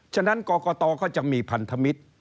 ฉะนั้นกรกตก็จะมีพันธมิตร